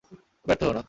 ব্যর্থ হয়ো না।